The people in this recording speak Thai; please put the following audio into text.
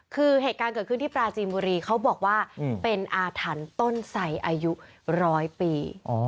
คือเหตุการณ์เกิดขึ้นที่ปราจีนบุรีเขาบอกว่าเป็นอาถรรพ์ต้นไสอายุร้อยปี